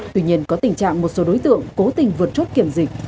tuy nhiên có tình trạng một số đối tượng cố tình vượt chốt kiểm dịch